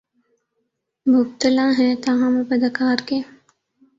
مبتلا ہیں تاہم اب اداکار کے